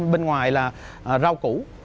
bên ngoài là rau củ